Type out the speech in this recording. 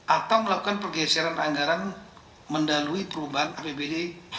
atau melakukan pergeseran anggaran mendahului perubahan apbd dua ribu empat